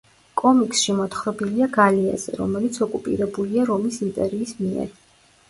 კომიქსში მოთხრობილია გალიაზე, რომელიც ოკუპირებულია რომის იმპერიის მიერ.